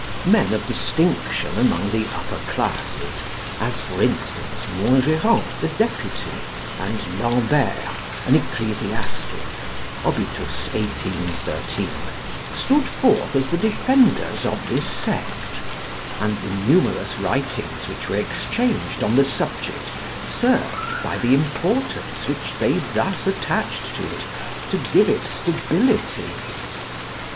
Men of distinction among the upper classes, as, for instance, Montgeron the deputy, and Lambert an ecclesiastic (obt. 1813), stood forth as the defenders of this sect; and the numerous writings which were exchanged on the subject served, by the importance which they thus attached to it, to give it stability.